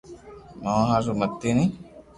مني ھارون متي ني